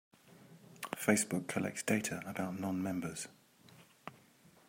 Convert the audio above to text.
Facebook collects data about non-members.